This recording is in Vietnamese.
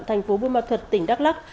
thành phố bưu ma thuật tỉnh đắk lắc